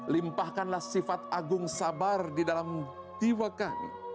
limpahkanlah sifat agung sabar di dalam jiwa kami